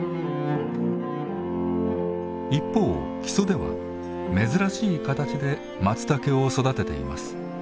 一方木曽では珍しい形でまつたけを育てています。